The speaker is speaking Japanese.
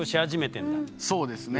そうですね。